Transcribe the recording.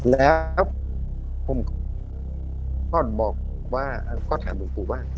แล้วผมก็ถามล่มครูว่า